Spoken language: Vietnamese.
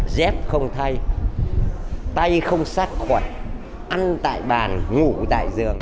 dép không thay tay không sát khuẩn ăn tại bàn ngủ tại giường